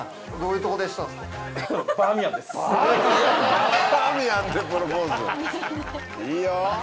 いいよ。